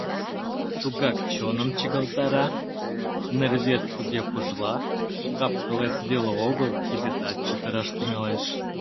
Тугак чоным чыгылтара, нервет туге пужла — кап-кылет веле огыл, кидетат чытыраш тӱҥалеш.